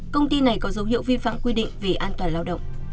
công ty này có dấu hiệu vi phạm quy định về an toàn lao động